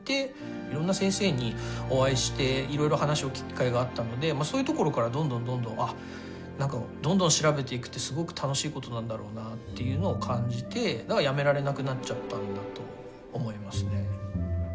いろんな先生にお会いしていろいろ話を聞く機会があったのでそういうところからどんどんどんどんあっ何かどんどん調べていくってすごく楽しいことなんだろうなっていうのを感じてやめられなくなっちゃったんだと思いますね。